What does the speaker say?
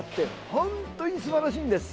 本当に、すばらしいんです。